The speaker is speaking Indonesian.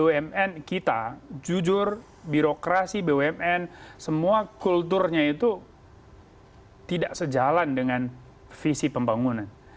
bumn kita jujur birokrasi bumn semua kulturnya itu tidak sejalan dengan visi pembangunan